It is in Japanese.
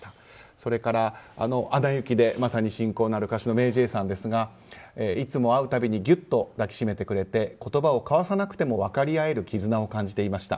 それから「アナ雪」で親交のある歌手のＭａｙＪ．さんですがいつも会う度にギュッと抱き締めてくれて言葉を交わさなくても分かり合える絆を感じていました。